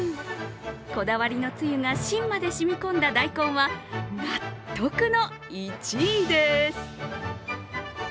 こだわりのつゆが芯までしみ込んだ大根は納得の１位です。